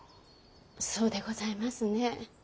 そうでございますね。